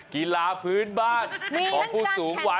กีฬาพื้นบ้านของผู้สูงวัย